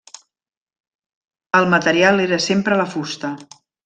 El material era sempre la fusta.